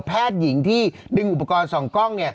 แพทย์หญิงที่ดึงอุปกรณ์๒กล้อง